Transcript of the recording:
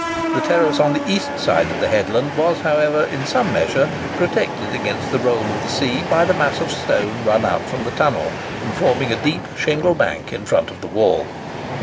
The terrace on the east side of the headland was, however, in some measure protected against the roll of the sea by the mass of stone run out from the tunnel, and forming a deep shingle bank in front of the wall.